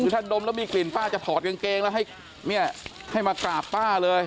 คือถ้าดมแล้วมีกลิ่นป้าจะถอดกางเกงแล้วให้มากราบป้าเลย